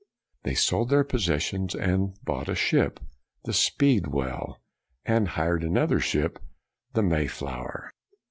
They sold their possessions and bought a ship, the Speedwell, and hired another ship, the Mayflower.